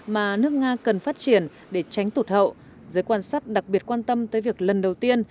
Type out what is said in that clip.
mà nước nga cần phát triển để tránh tụt hậu giới quan sát đặc biệt quan tâm tới việc lần đầu tiên